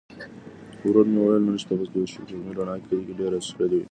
ورور مې وویل نن شپه به د سپوږمۍ رڼا کلي کې ډېره ښکلې وي.